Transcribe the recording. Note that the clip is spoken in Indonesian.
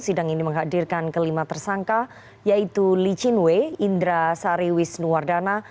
sidang ini menghadirkan kelima tersangka yaitu li chin wei indra sariwis nuwardana